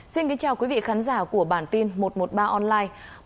xin kính chào quý vị khán giả của bản tin một trăm một mươi ba online